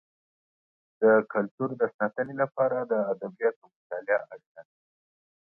د کلتور د ساتنې لپاره د ادبیاتو مطالعه اړینه ده.